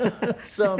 そうね。